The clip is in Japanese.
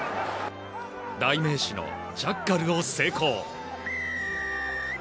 代名詞のジャッカルを成功。